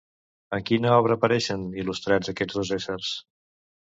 En quina obra apareixen il·lustrats aquests dos éssers?